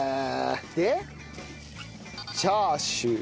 でチャーシュー。